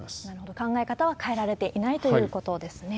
考え方は変えられていないということですね。